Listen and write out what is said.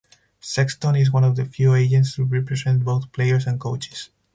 Sexton is one of the few agents to represent both players and coaches.